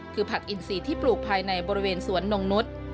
คือผักอินซีที่ปลูกภายในบริเวณสวนนงนุษย์